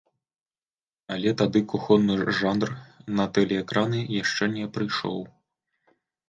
Але тады кухонны жанр на тэлеэкраны яшчэ не прыйшоў.